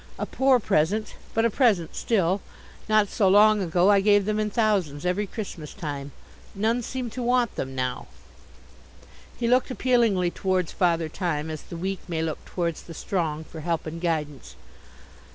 A poor present, but a present still not so long ago I gave them in thousands every Christmas time. None seem to want them now." He looked appealingly towards Father Time, as the weak may look towards the strong, for help and guidance.